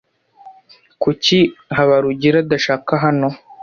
Kuki Habarugira adashaka hano?